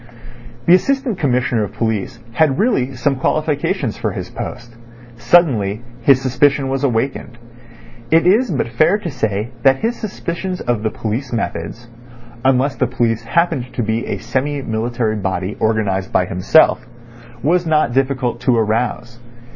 The Assistant Commissioner of Police had really some qualifications for his post. Suddenly his suspicion was awakened. It is but fair to say that his suspicions of the police methods (unless the police happened to be a semi military body organised by himself) was not difficult to arouse.